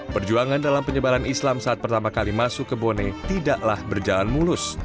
perjuangan dalam penyebaran islam saat pertama kali masuk ke bone tidaklah berjalan mulus